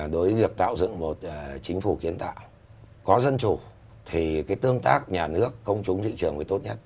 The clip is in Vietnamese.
đối với việc tạo dựng một chính phủ kiến tạo có dân chủ thì cái tương tác nhà nước công chúng thị trường mới tốt nhất